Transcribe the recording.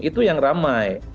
itu yang ramai